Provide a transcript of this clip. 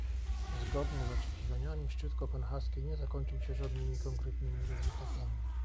Zgodnie z oczekiwaniami szczyt kopenhaski nie zakończył się żadnymi konkretnymi rezultatami